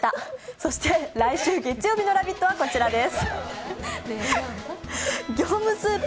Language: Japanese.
そして来週月曜日の「ラヴィット！」はこちらです。